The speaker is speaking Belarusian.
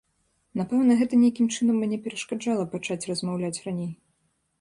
Напэўна, гэта нейкім чынам мне перашкаджала пачаць размаўляць раней.